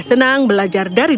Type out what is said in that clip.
dia senang belajar bahasa inggris